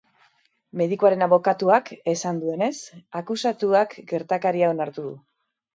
Medikuaren abokatuak esan duenez, akusatuak gertakaria onartu du.